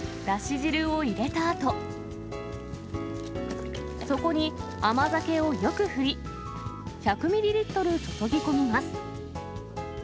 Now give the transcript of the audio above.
だし汁を入れたあと、そこに甘酒をよく振り、１００ミリリットル注ぎ込みます。